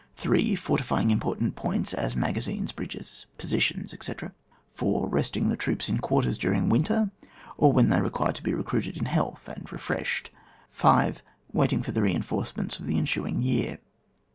3. Fortifying important points, as, magazinsSf bridges, positions, etc. 4. Besting the troops in quarters during winter, or when they require to be recruited in health and refreshed. 5. Waiting for the reinforcements of the ensuing year.